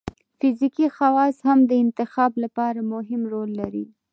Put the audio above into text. فزیکي خواص هم د انتخاب لپاره مهم رول لري.